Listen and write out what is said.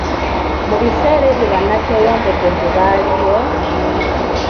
Mu biseera ebyo banakyeyombekedde baaliyo?